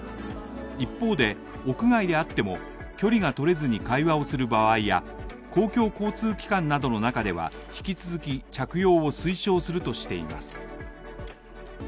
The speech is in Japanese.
一方で、屋外であっても、距離がとれずに会話をする場合や、公共交通機関などの中では引き続き着用を推奨するとしています。